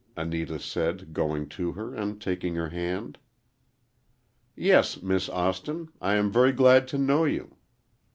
Anita said, going to her and taking her hand. "Yes, Miss Austin,—I am very glad to know you."